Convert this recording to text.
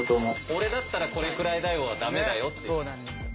「俺だったらこれくらいだよ」は駄目だよって。